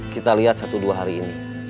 kita lihat satu dua hari ini